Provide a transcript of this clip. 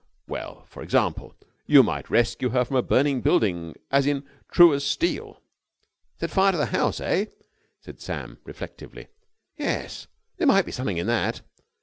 _" "Well, for example, you might rescue her from a burning building as in 'True As Steel'...." "Set fire to the house, eh?" said Sam, reflectively. "Yes, there might be something in that."